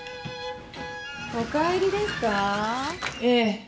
ええ。